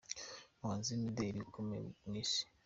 Umuhanzi w’imideli ukomeye ku Isi.